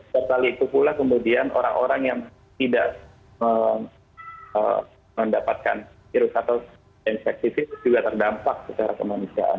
setelah itu pula kemudian orang orang yang tidak mendapatkan virus atau infektifik juga terdampak secara kemanusiaan